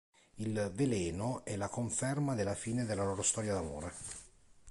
Il "veleno" è la conferma della fine della loro storia d'amore.